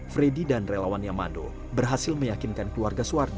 fredi dan relawan yamando berhasil meyakinkan keluarga swardi